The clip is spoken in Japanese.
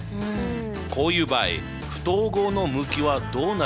こういう場合不等号の向きはどうなると思う？